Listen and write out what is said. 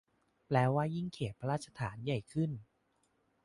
แปลว่ายิ่งเขตพระราชฐานใหญ่ขึ้น